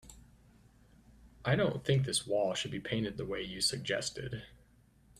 I don't think this wall should be painted the way you suggested.